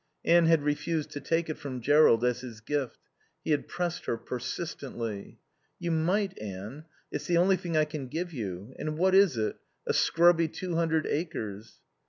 Anne had refused to take it from Jerrold as his gift. He had pressed her persistently. "You might, Anne. It's the only thing I can give you. And what is it? A scrubby two hundred acres."